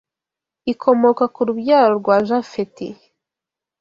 ikomoka ku rubyaro rwa Jafeti